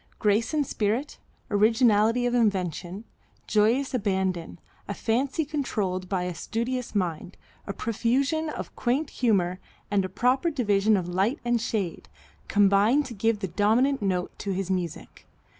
Grace and spirit, originality of invention, joyous abandon, a fancy controlled by a studious mind, a profusion of quaint humor and a proper division of light and shade, combine to give the dominant note to his music.